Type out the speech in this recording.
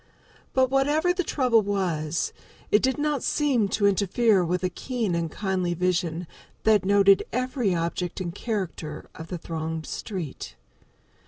But whatever the trouble was, it did not seem to interfere with a keen and kindly vision that noted every object and character of the thronged street.